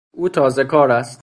او تازهکار است.